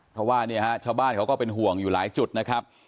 เพราะว่าเนี่ยฮะชาวบ้านเขาก็เป็นห่วงอยู่หลายจุดนะครับ